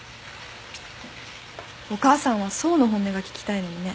お母さんは想の本音が聞きたいのにね。